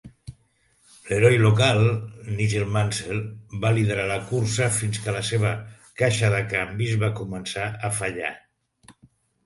L'heroi local Nigel Mansell va liderar la cursa fins que la seva caixa de canvis va començar a fallar.